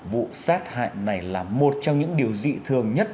vụ sát hại này là một trong những điều dị thường nhất